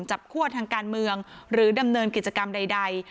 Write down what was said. คั่วทางการเมืองหรือดำเนินกิจกรรมใด